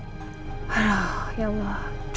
aduh ya allah